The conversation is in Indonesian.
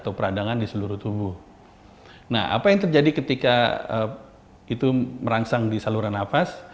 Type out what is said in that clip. atau peradangan di seluruh tubuh nah apa yang terjadi ketika itu merangsang di saluran nafas